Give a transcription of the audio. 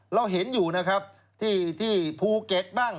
เราเห็นอยู่นะครับที่ภูเก็ตบ้าง